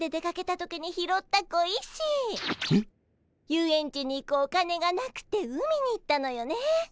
遊園地に行くお金がなくて海に行ったのよね。